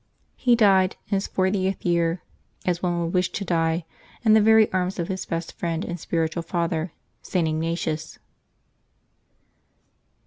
He died, in his fortieth year, as one would wish to die, in the very arms of his best friend and spiritual father, St. Ignatius.